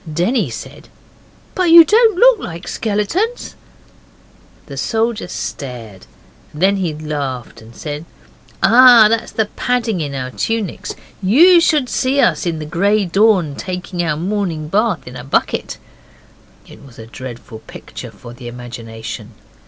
Denny said, 'But you don't look like skeletons.' The soldier stared, then he laughed and said, 'Ah, that's the padding in our tunics. You should see us in the grey dawn taking our morning bath in a bucket.' It was a dreadful picture for the imagination.